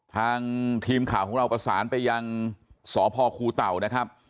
ทางทีมข่าวของเราประสานไปยังสพคูเต่านะครับ